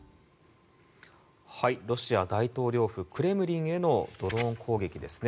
ロシア大統領府クレムリンへのドローン攻撃ですね。